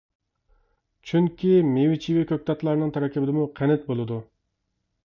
چۈنكى مېۋە-چېۋە، كۆكتاتلارنىڭ تەركىبىدىمۇ قەنت بولىدۇ.